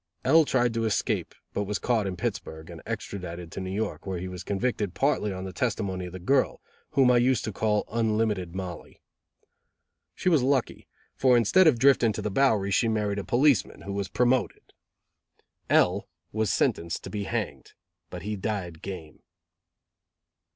L tried to escape, but was caught in Pittsburg, and extradited to New York, where he was convicted partly on the testimony of the girl, whom I used to call Unlimited Mollie. She was lucky, for instead of drifting to the Bowery, she married a policeman, who was promoted. L was sentenced to be hanged, but he died game.